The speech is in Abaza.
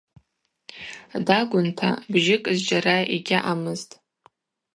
Дагвынта – бжьыкӏ зджьара йгьаъамызтӏ.